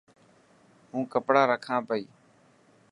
هون ڪپڙا رکان پئي.